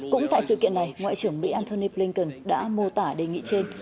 cũng tại sự kiện này ngoại trưởng mỹ antony blinken đã mô tả đề nghị trên